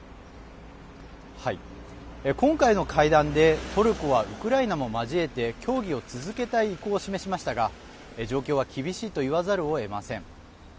今回の会談でトルコはウクライナも交えて協議を続けたい意向を示しましたが状況は厳しいと言わざるをえません。